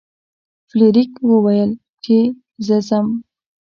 فلیریک وویل چې زه ځم.